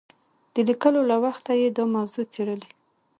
د لیکلو له وخته یې دا موضوع څېړلې.